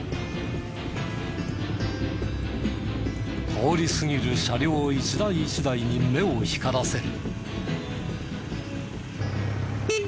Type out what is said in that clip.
通り過ぎる車両一台一台に目を光らせる。